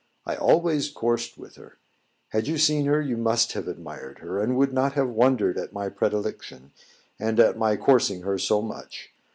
I always coursed with her. Had you seen her you must have admired her, and would not have wondered at my predilection, and at my coursing her so much.